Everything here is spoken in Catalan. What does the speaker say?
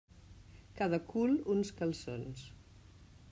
Cada cul, uns calçons.